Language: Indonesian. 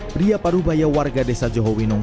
pria paruh bahaya warga desa johowinong